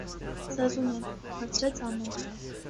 Զազունյան,- հարցրեց Աննան: